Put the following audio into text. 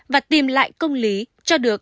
và tìm lại công lý cho được